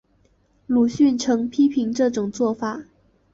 鲁迅曾批评这种做法。